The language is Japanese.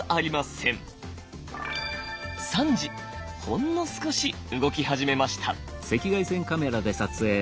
ほんの少し動き始めました。